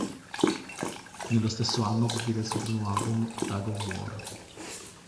Nello stesso anno pubblica il suo primo album, "Tug of War".